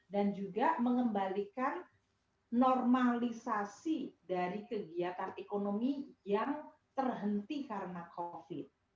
dan juga mengembalikan normalisasi dari kegiatan ekonomi yang terhenti karena covid